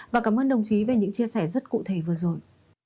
và cảm ơn đồng chí về những chia sẻ rất cụ thể vừa rồi